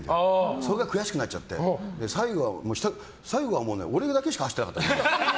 それが悔しくなっちゃって最後は俺だけしか走ってなかった。